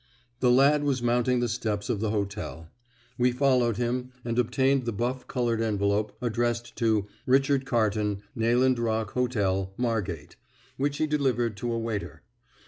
The lad was mounting the steps of the hotel. We followed him, and obtained the buff coloured envelope, addressed to "Richard Carton, Nayland Rock Hotel, Margate," which he delivered to a waiter.